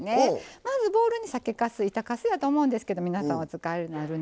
まずボウルに酒かす板かすやと思うんですけど皆さんお使いになるの。